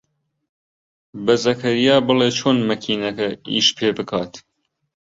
بە زەکەریا بڵێ چۆن مەکینەکە ئیش پێ بکات.